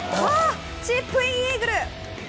チップインイーグル！